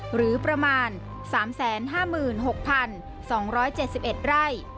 หรือประมาณ๓๕๖๒๗๑ไร่